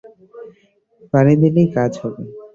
পানি দিলেই কাজ হবে।